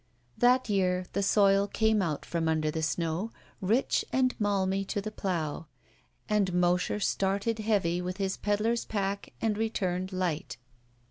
That year the soil came out from under the snow rich and malmy to the plow, and Mosher started heavy with his peddler's pack and returned light.